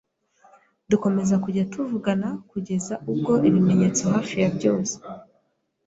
dukomeza kujya tuvugana kugeza ubwo ibimenyetso hafi ya byose